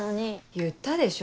言ったでしょ